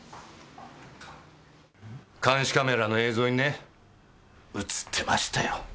監視カメラの映像にね写ってましたよ。